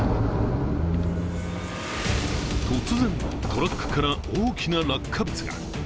突然、トラックから大きな落下物が。